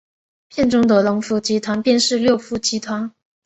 片中的龙福集团便是六福集团。